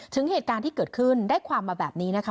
ถึงเหตุการณ์ที่เกิดขึ้นได้ความมาแบบนี้นะคะ